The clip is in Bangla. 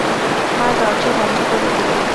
মা দরজা বন্ধ করে দিলেন।